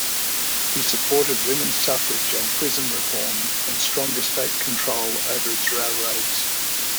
He supported women's suffrage and prison reform, and stronger state control over its railroads.